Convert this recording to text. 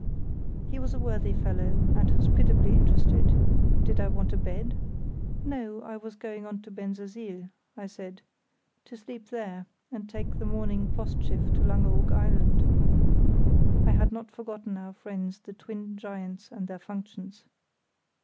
He was a worthy fellow, and hospitably interested: "Did I want a bed?" "No; I was going on to Bensersiel," I said, "to sleep there, and take the morning Postschiff to Langeoog Island." (I had not forgotten our friends the twin giants and their functions.)